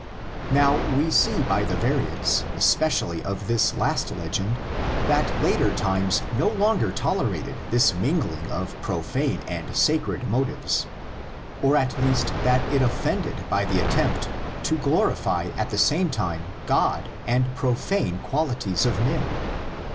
Now we see by the variants especially of this last legend that later times no longer tolerated this mingling of profane and sacred motives, or at least that it offended by the attempt to glorify at the same time God and profane quali ties of men.